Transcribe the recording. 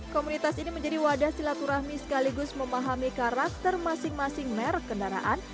komunitas ini menjadi wadah silaturahmi sekaligus memahami karakter masing masing merek kendaraan